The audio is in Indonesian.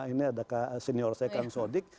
ini ada senior saya kam sodik